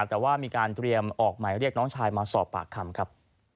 แต่ว่ามีการเตรียมออกหมายเรียกน้องชายมาสอบปากคำครับ